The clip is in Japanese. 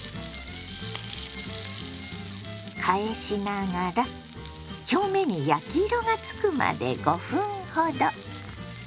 返しながら表面に焼き色がつくまで５分ほど。